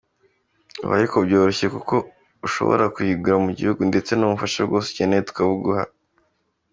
Ubu ariko byoroshye kuko ushobora kuyigura mu gihugu ndetse n’ubufasha bwose ukeneye tukabuguha.